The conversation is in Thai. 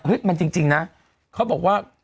มันจริงนะเขาบอกว่า